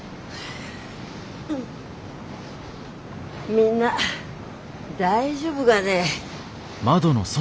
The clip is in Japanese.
みんな大丈夫がね。